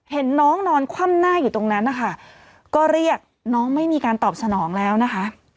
เห็นน้องนอนคว่ำหน้าอยู่ตรงนั้นนะคะก็เรียกน้องไม่มีการตอบสนองแล้วนะคะ